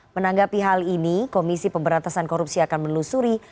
menanggapi hal ini komisi pemberatasan korupsi akan melusuri